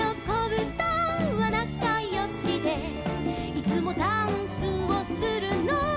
「いつもダンスをするのは」